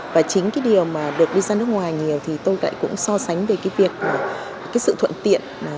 và chính cái điều mà được đi ra nước ngoài nhiều thì tôi lại cũng so sánh về cái việc cái sự thuận tiện